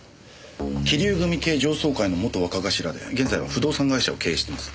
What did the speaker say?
貴龍組系城宗会の元若頭で現在は不動産会社を経営しています。